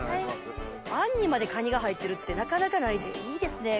あんにまでカニが入ってるってなかなかないいいですね。